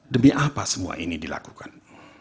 demi apa semua ini dilakukan